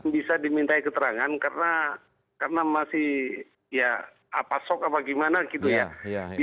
bisa diminta keterangan karena masih ya apa sok apa gimana gitu ya